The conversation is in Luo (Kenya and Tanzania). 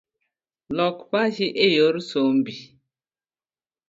Lok pachi eyor sombi